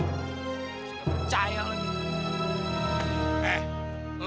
gak percaya lagi